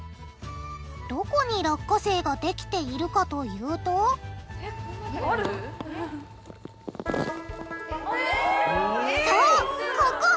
どこに落花生ができているかというとそうここ！